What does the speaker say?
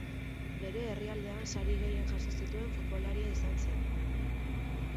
Bere herrialdean sari gehien jaso zituen futbolaria izan zen.